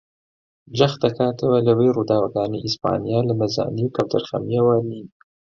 جەخت دەکاتەوە لەوەی ڕووداوەکانی ئیسپانیا لە نەزانی و کەمتەرخەمییەوە نین